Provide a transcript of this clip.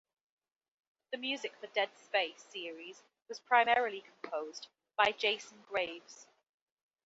The music for the "Dead Space" series was primarily composed by Jason Graves.